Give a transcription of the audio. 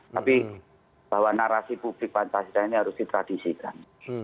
tapi bahwa narasi publik pancasila ini harus ditradisikan